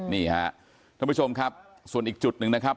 นี่ฮะท่านผู้ชมครับส่วนอีกจุดหนึ่งนะครับ